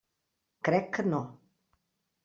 Crec que no.